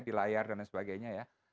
di layar dan lain sebagainya ya